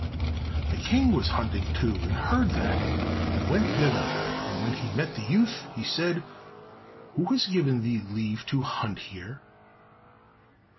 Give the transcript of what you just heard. The King was hunting too, and heard that and went thither, and when he met the youth, he said, "Who has given thee leave to hunt here?"